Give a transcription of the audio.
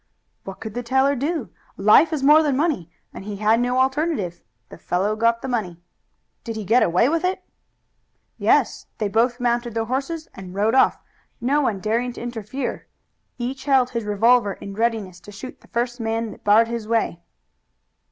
"What could the teller do? Life is more than money, and he had no alternative. The fellow got the money." "Did he get away with it?" "Yes; they both mounted their horses and rode off, no one daring to interfere. Each held his revolver in readiness to shoot the first man that barred his way."